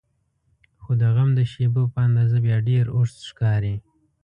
خو د غم د شیبو په اندازه بیا ډېر اوږد ښکاري.